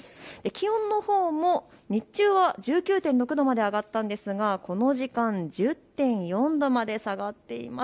気温のほうも日中は１９．６度まで上がったんですが、この時間、１０．４度まで下がっています。